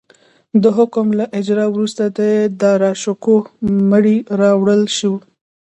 د حکم له اجرا وروسته د داراشکوه مړی راوړل شو.